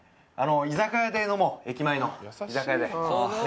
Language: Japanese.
居酒屋で飲もう駅前の居酒屋で。